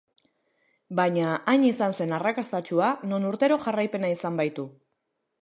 Baina, hain izan zen arrakastatsua, non urtero jarraipena izan baitu.